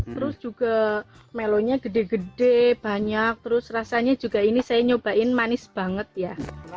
terus juga melo nya gede gede banyak terus rasanya juga ini saya nyobain manis banget ya